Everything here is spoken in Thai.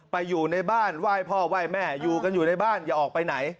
อยู่ในบ้านไหว้พ่อไหว้แม่อยู่กันอยู่ในบ้านอย่าออกไปไหน